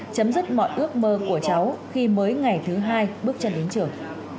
chấm dứt mọi ước mơ của cháu khi mới ngày thứ hai bước chân đến trường